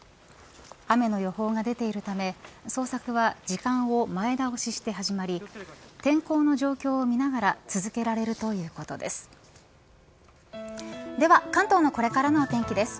雨の予報が出ているため捜索は時間を前倒しして始まり天候の状況を見ながら続けられるということです。